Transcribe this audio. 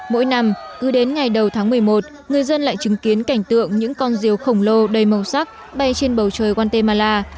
mỗi năm cứ đến ngày đầu tháng một mươi một người dân lại chứng kiến cảnh tượng những con rìu khổng lồ đầy màu sắc bay trên bầu trời guatemala